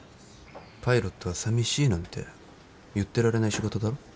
パイロットはさみしいなんて言ってられない仕事だろ。